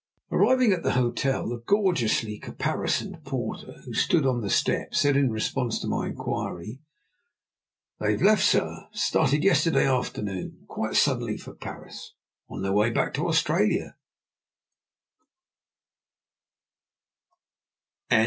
Arriving at the hotel, a gorgeously caparisoned porter, who stood on the steps, said in response to my inquiry: _"They've left, sir. Started yesterday afternoon, quite suddenly, for Paris, on their way back to Australia!"